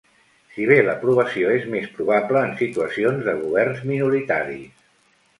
Si bé l'aprovació és més probable en situacions de governs minoritaris.